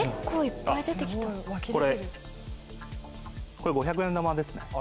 これ５００円玉ですね。